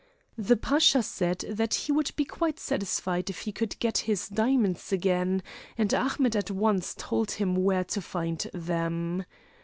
The Pasha said that he would be quite satisfied if he could get his diamonds again, and Ahmet at once told him where to find them.